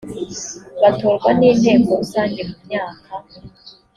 batorwa n inteko rusange mu myaka